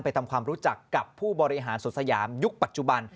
ทำความรู้จักกับผู้บริหารสุดสยามยุคปัจจุบัน